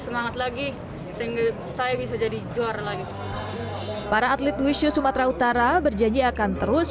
semangat lagi sehingga saya bisa jadi jur lagi para atlet wushu sumatera utara berjanji akan terus